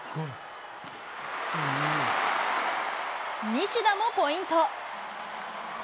西田もポイント。